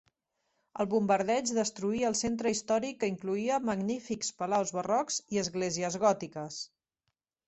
El bombardeig destruí el centre històric que incloïa magnífics palaus barrocs i esglésies gòtiques.